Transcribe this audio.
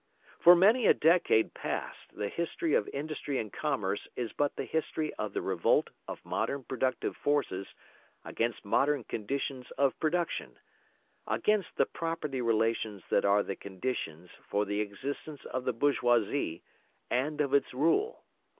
For many a decade past the history of industry and commerce is but the history of the revolt of modern productive forces against modern conditions of production, against the property relations that are the conditions for the existence of the bourgeoisie and of its rule.